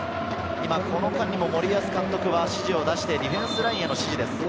今この間にも森保監督は指示を出して、ディフェンスラインへの指示です。